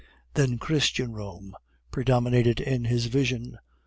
Then Christian Rome predominated in his vision.